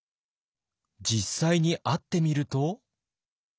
実際に会ってみると。